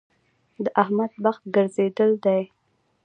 د احمد بخت ګرځېدل دی.